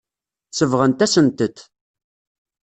Sebɣent-asent-t.